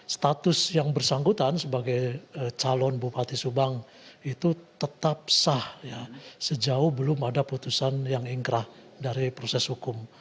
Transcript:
status yang bersangkutan sebagai calon bupati subang itu tetap sah sejauh belum ada putusan yang ingkrah dari proses hukum